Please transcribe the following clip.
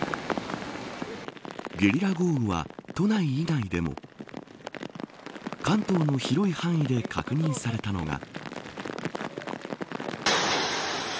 ゲリラ豪雨は、都内以外でも関東の広い範囲で確認されたのが。